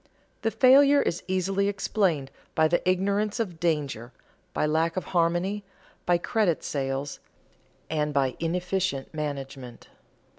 The failure is easily explained by the ignorance of danger, by lack of harmony, by credit sales, and by inefficient management.